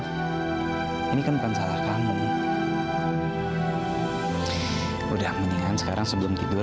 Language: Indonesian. sampai jumpa di video selanjutnya